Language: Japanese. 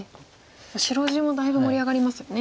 白地もだいぶ盛り上がりますよね。